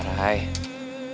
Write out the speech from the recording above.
justru kalau gak biasa ya